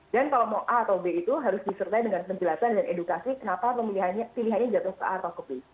dan kalau mau a atau b itu harus disertai dengan penjelasan dan edukasi kenapa pilihannya jatuh ke a atau ke b